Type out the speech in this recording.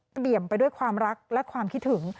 เหลี่ยมไปด้วยความรักและความคิดถึง